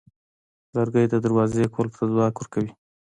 لرګی د دروازې قلف ته ځواک ورکوي.